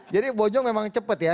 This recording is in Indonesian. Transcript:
bojong memang cepet ya